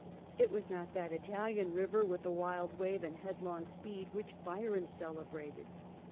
It was not that Italian river with the wild wave and headlong speed which Byron celebrated.